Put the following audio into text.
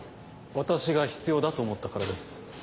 私が必要だと思ったからです。